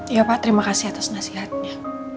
ya pak terima kasih atas nasihatnya